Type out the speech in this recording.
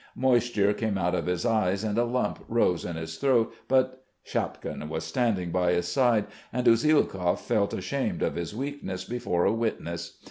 Moisture came out of his eyes and a lump rose in his throat, but.... Shapkin was standing by his side, and Usielkov felt ashamed of his weakness before a witness.